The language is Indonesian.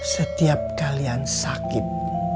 setiap kalian sakit